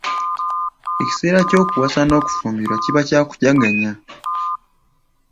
Ekiseera ky'okuwasa n'okufumbirwa kiba kyakujaganya.